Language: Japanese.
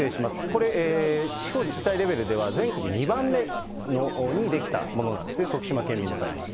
これ、地方自治体レベルでは全国２番目に出来たものなんですね、徳島県民の会です。